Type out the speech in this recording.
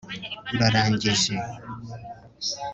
urarangije